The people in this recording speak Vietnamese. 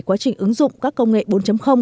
quá trình ứng dụng các công nghệ bốn